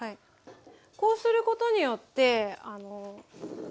こうすることによって。